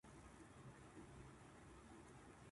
この道をまっすぐ行けば駅だよ。